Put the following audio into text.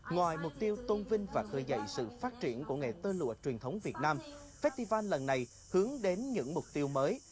ngoài mục tiêu tôn vinh và khởi dậy sự phát triển của nghề tơ lụa truyền thống việt nam festival lần này hướng đến những mục tiêu mới